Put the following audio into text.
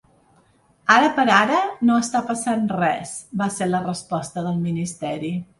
Ara per ara no està passant res, va ser la resposta del ministeri.